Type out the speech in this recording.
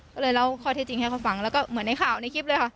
ก็เลยเล่าข้อเท็จจริงให้เขาฟังแล้วก็เหมือนในข่าวในคลิปเลยค่ะ